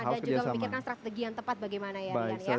dan juga memikirkan strategi yang tepat bagaimana ya